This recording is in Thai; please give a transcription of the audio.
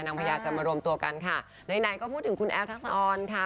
พยายามจะมารวมตัวกันค่ะไหนไหนก็พูดถึงคุณแอฟทักษะออนค่ะ